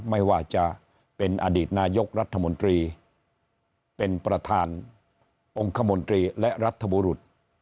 ไม่ว่าจะเป็นอดีตนายกรัฐมนตรีเป็นประธานองค์คมนตรีและรัฐบุรุษ